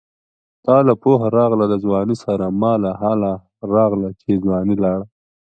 تاله پوهه راغله د ځوانۍ سره ماله هله راغله چې ځواني لاړه